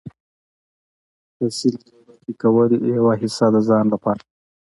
حاصل دری برخي کول، يوه حيصه د ځان لپاره